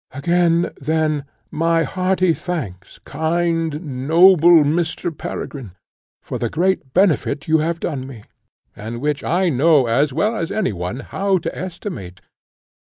Again, then, my hearty thanks, kind, noble Mr. Peregrine, for the great benefit you have done me, and which I know as well as any one how to estimate.